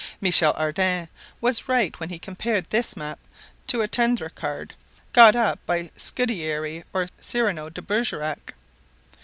Michel Ardan was right when he compared this map to a "Tendre card," got up by a Scudary or a Cyrano de Bergerac.